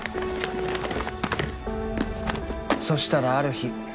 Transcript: そしたらある日。